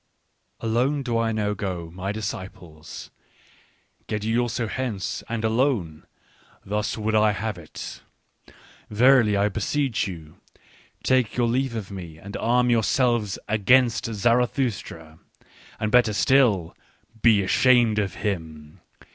" Alone do I now go, my disciples ! Get ye also hence, and alone ! Thus would I have it. " Verily, I beseech you : take your leave of me and arm yourselves against Zarathustra! And better still, be ashamed of him